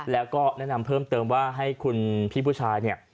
แล้วก็แนะนำเพิ่มเติมว่าให้คุณพี่ผู้ชายเนี่ย